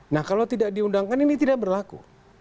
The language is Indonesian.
nah kalau tidak diundangkan ini tidak berlaku